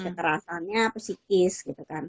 kekerasannya pesikis gitu kan